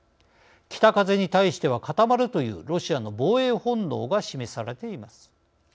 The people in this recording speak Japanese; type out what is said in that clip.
北風に対しては固まるというロシアの防衛本能が示されています。